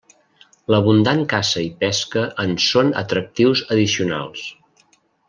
L'abundant caça i pesca en són atractius addicionals.